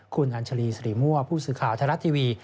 คุณอัญชาลีสิริมั่วผู้สื่อข่าวไทยรัฐทีวี